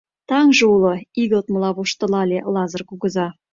— Таҥже уло, - игылтмыла воштылале Лазыр кугыза.